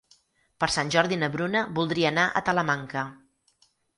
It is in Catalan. Per Sant Jordi na Bruna voldria anar a Talamanca.